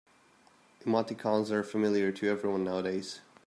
Emoticons are familiar to everyone nowadays.